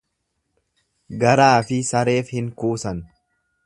Garaafi sareef hin kuusan.